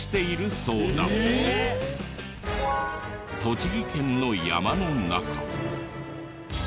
栃木県の山の中。